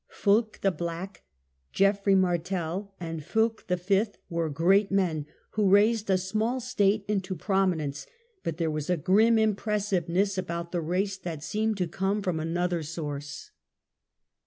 Fulk the Black, Geoffrey Martel, and Fulk V. were great men, who raised a small state into prominence; but there was a grim impressiveness about the race that seemed to come from another source.